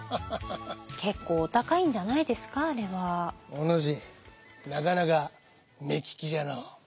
お主なかなか目利きじゃのう。